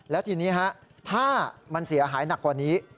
แล้วทีนี้ถ้ามันเสียหายหนักกว่านี้